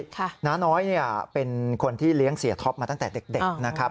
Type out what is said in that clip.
น้าน้อยเนี่ยเป็นคนที่เลี้ยงเสียท็อปมาตั้งแต่เด็กนะครับ